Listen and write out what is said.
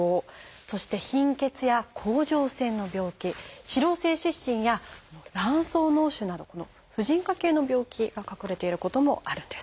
そして「貧血」や「甲状腺の病気」「脂漏性湿疹」や「卵巣のう腫」など婦人科系の病気が隠れていることもあるんです。